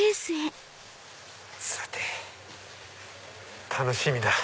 さて楽しみだ。